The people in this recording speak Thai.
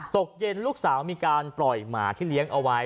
ตกเย็นลูกสาวมีการปล่อยหมาที่เลี้ยงเอาไว้